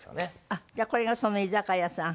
あっじゃあこれがその居酒屋さん？